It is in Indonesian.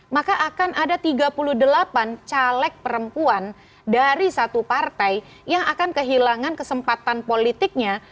maka akan ada tiga puluh delapan caleg perempuan dari satu partai yang akan kehilangan kesempatan politiknya